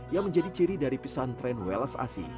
yang menjadi ciri dari pesantren ulas asli